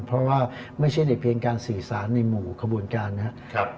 เพราะว่าไม่ใช่ในเพียงการสื่อสารในหมู่ขบวนการนะครับ